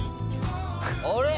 あれ？